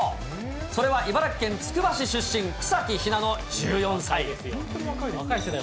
それは茨城県つくば市出身、草木ひなの１４歳ですよ。